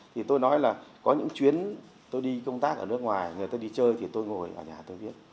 thì tôi nói là có những chuyến tôi đi công tác ở nước ngoài người ta đi chơi thì tôi ngồi ở nhà tôi viết